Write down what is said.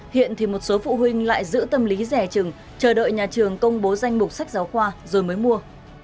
hiện thì một số phụ huynh lại giữ tâm lý rẻ trừng chờ đợi nhà trường công bố danh mục sách giáo khoa rồi mới mua